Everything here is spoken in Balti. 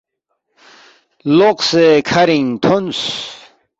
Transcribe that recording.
لوقسے کَھرِنگ تھونس